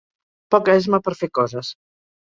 Poca esma per fer coses.